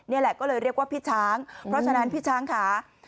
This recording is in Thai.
นี่แหละก็เลยเรียกว่าพี่ช้างเพราะฉะนั้นพี่ช้างค่ะ